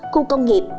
khu công nghiệp